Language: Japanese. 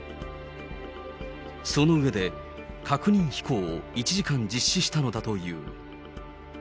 その上で、確認飛行を１時間実施したのだという。